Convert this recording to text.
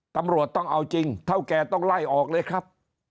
ตำรวจต้องเอาจริงเท่าแก่ต้องไล่ออกเลยครับ